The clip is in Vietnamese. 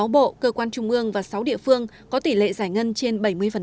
sáu bộ cơ quan trung ương và sáu địa phương có tỷ lệ giải ngân trên bảy mươi